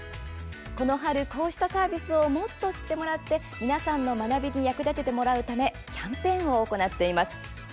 この春、こうしたサービスをもっと知ってもらって皆さんの学びに役立ててもらうためキャンペーンを行っています。